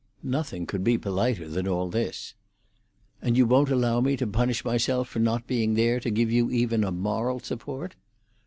Nothing could be politer than all this. "And you won't allow me to punish myself for not being there to give you even a moral support?"